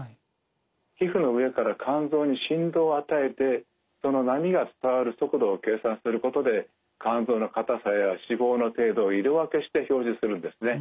皮膚の上から肝臓に振動を与えてその波が伝わる速度を計算することで肝臓の硬さや脂肪の程度を色分けして表示するんですね。